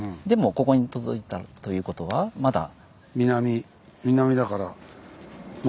でもここに届いたということはまだ。